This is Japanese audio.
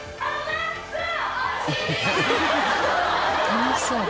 楽しそう。